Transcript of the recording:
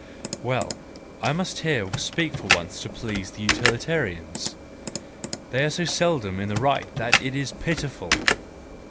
Well, I must here speak for once to please the utilitarians,—they are so seldom in the right that it is pitiful!